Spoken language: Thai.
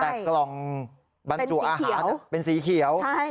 แต่กล่องบรรจุอาหารเป็นสีเขียว